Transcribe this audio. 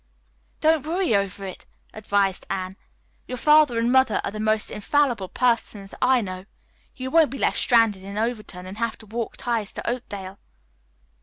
"Don't worry over it," advised Anne. "Your father and mother are the most infallible persons I know. You won't be left stranded in Overton and have to walk ties to Oakdale."